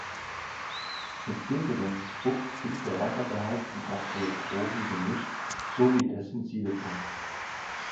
Mit sinkendem Druck sinkt der Wassergehalt im azeotropen Gemisch, sowie dessen Siedepunkt.